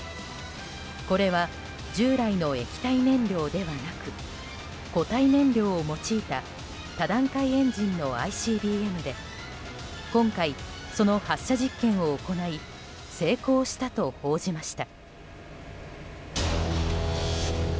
これは従来の液体燃料ではなく固体燃料を用いた多段階エンジンのＩＣＢＭで今回、その発射実験を行い成功したと報じました。